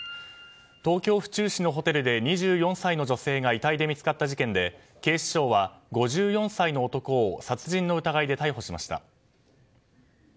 東京・府中市のホテルで２４歳の女性が遺体で見つかった事件で警視庁は５４歳の男を殺人の疑いで逮捕しました。